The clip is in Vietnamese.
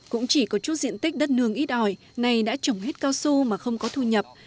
cũng chỉ có chút diện tích đất nương ít ỏi này đã trồng hết cao su mà không có thu nhập